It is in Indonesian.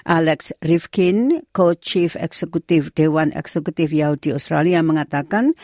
alex rifkin co chief eksekutif dewan eksekutif yahudi australia mengatakan